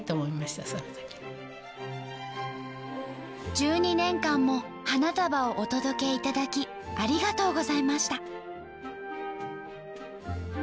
「十二年間も花束をお届けいただきありがとうございました」。